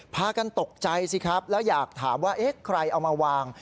พากันตกใจสิครับแล้วอยากถามว่าเอ๊ะใครเอามาวาง